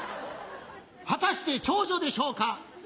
果たして長女でしょうか？